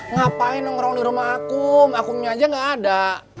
ngapain nongkrong di rumah akumnya aja gak ada